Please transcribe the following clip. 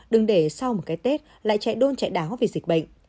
đừng để sau một cái tết lại chạy đôn chạy đáo vì dịch bệnh